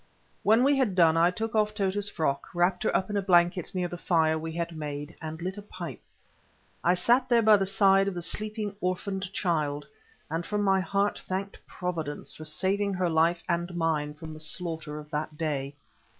When we had done I took off Tota's frock, wrapped her up in a blanket near the fire we had made, and lit a pipe. I sat there by the side of the sleeping orphaned child, and from my heart thanked Providence for saving her life and mine from the slaughter of that day.